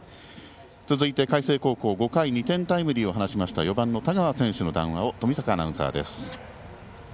続いて海星高校、５回２点タイムリーを放ちました４番の田川選手の談話を冨坂アナウンサーです。